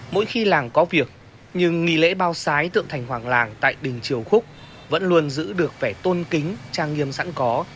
mỗi khi làng có việc nhưng nghi lễ bao sái tượng thành hoàng làng tại đình triều khúc vẫn luôn giữ được vẻ tôn kính trang nghiêm sẵn có